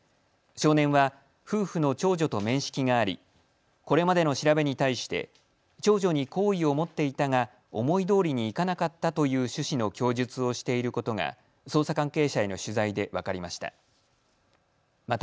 少年は夫婦の長女と面識がありこれまでの調べに対して長女に好意を持っていたが思いどおりにいかなかったという趣旨の供述をしていることが捜査関係者への取材で分かりました。